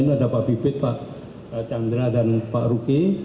ini ada pak bibit pak chandra dan pak ruki